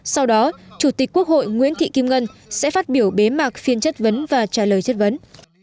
sau đó chủ tịch quốc hội nguyễn thị kim ngân sẽ phát biểu bế mạc phiên chất vấn và trả lời chất vấn